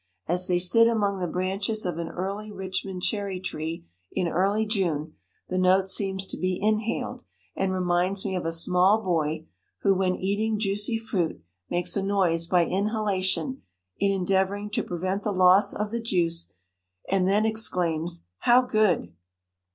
As they sit among the branches of an early Richmond cherry tree in early June, the note seems to be inhaled, and reminds me of a small boy who, when eating juicy fruit, makes a noise by inhalation in endeavoring to prevent the loss of the juice and then exclaims, 'How good!'